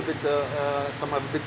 beberapa lebih pedas